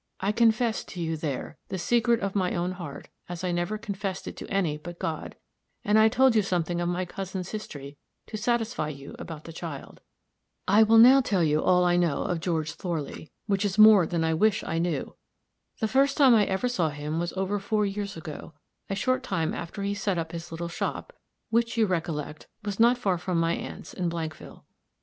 I confessed to you, there, the secret of my own heart, as I never confessed it to any but God, and I told you something of my cousin's history to satisfy you about the child. I will now tell you all I know of George Thorley, which is more than I wish I knew. The first time I ever saw him was over four years ago, a short time after he set up his little shop, which, you recollect, was not far from my aunt's in Blankville.